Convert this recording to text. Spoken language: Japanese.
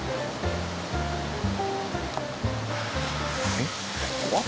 えっ？